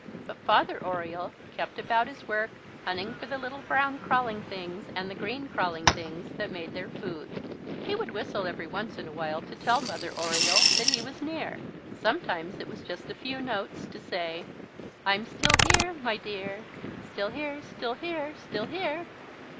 But Father Oriole kept about his work, hunting for the little brown crawling things and the green crawling things that made their food. He would whistle every once in a while to tell Mother Oriole that he was near. Sometimes it was just a few notes to say: "I'm still here my dear, Still here, still here, still here."